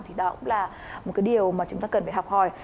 thì đó cũng là một cái điều mà chúng ta cần phải học hỏi